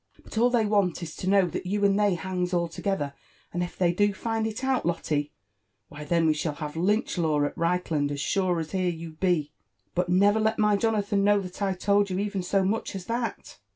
But all they want is to know that you and they hangs all together ; and if they do find, it out, Lotte, — why then we shall have Lynch lawat Reichland as sure as here you be. But never let my Jonathan know that 1 told you even so much as that."